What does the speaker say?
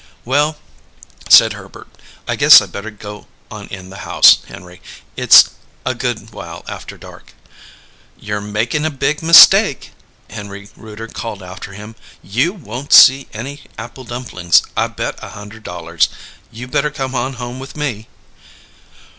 "Well," said Herbert, "I guess I better go on in the house, Henry. It's a good while after dark." "You're makin' a big mistake!" Henry Rooter called after him. "You won't see any apple dumplings, I bet a hunderd dollars! You better come on home with me."